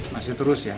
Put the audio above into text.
masih terus ya